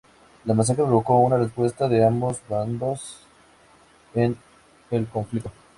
La masacre provocó una respuesta de ambos bandos en el conflicto.